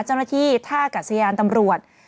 เจ้าหน้าที่ท่ากัศยานตำรวจ